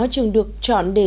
trường được chọn để